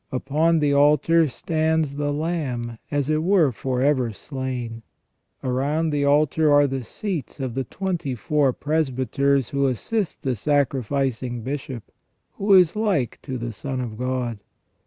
Upon the altar stands the Lamb as it were for ever slain. Around the altar are the seats of the twenty four presbyters who assist the sacrificing Bishop, who is like to the Son of God.